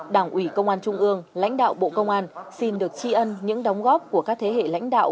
đảng ủy công an trung ương lãnh đạo bộ công an xin được tri ân những đóng góp của các thế hệ lãnh đạo